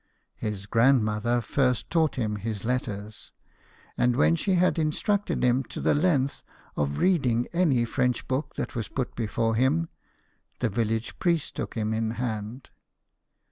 His grand mother first taught him his letters ; and when she had instructed him to the length of reading any French book that was put before him, the village priest took him in hand.